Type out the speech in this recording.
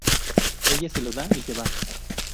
Ella se lo da y se va.